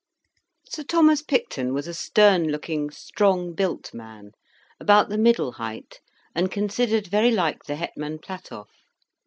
Sir Thomas Picton was a stern looking, strong built man, about the middle height, and considered very like the Hetman Platoff.